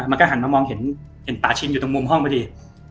มันก็หันมามองเห็นตาชินอยู่ตรงมุมห้องพอดี